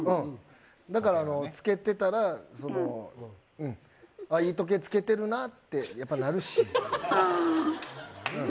だから、つけてたらいい時計つけてるなってやっぱなるし。